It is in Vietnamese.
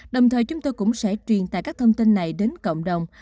đồng thời chúng tôi cũng sẽ truyền tải các thông tin này đến cộng đồng